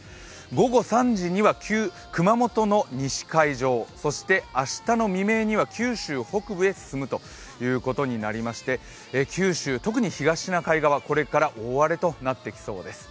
午後３時には熊本の西海上、そして明日の未明には九州北部に進むということになりまして九州、特に東シナ海側、これから大荒れとなっていきそうです。